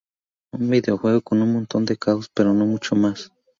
Un videojuego con un montón de caos, pero no mucho más".